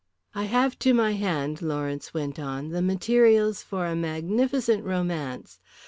"I have to my hand," Lawrence went on, "the materials for a magnificent romance.